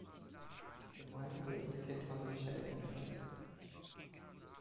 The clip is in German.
Lemoinne wurde als Kind französischer Eltern in Paris geboren.